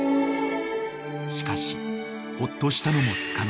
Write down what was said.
［しかしホッとしたのもつかの間］